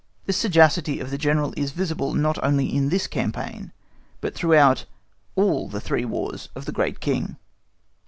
This sagacity of the General is visible not only in this campaign, but throughout all the three Wars of the Great King!